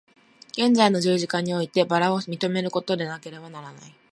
現在の十字架において薔薇を認めることでなければならない。